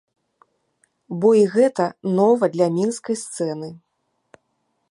Бо і гэта нова для мінскай сцэны!